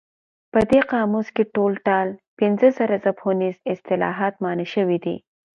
په دې قاموس کې ټول ټال پنځه زره ژبپوهنیز اصطلاحات مانا شوي دي.